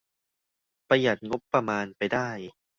ประหยัดงบประมาณไปได้